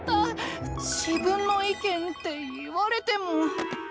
自分の意見って言われても。